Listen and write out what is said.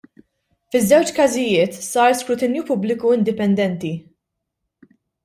Fiż-żewġ każijiet sar skrutinju pubbliku indipendenti.